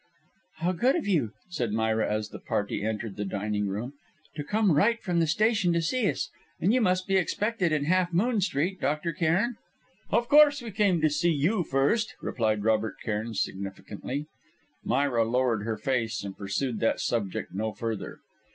"How good of you," said Myra as the party entered the dining room, "to come right from the station to see us. And you must be expected in Half Moon Street, Dr. Cairn?" "Of course we came to see you first," replied Robert Cairn significantly. Myra lowered her face and pursued that subject no further.